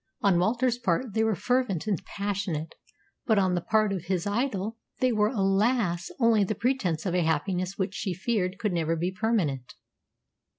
On Walter's part they were fervent and passionate, but on the part of his idol they were, alas! only the pretence of a happiness which she feared could never be permanent.